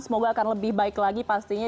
semoga akan lebih baik lagi pastinya